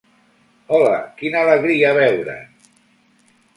Hola! Quina alegria veure't!